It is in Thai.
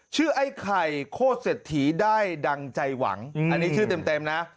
ไอ้ไข่โคตรเศรษฐีได้ดังใจหวังอันนี้ชื่อเต็มนะ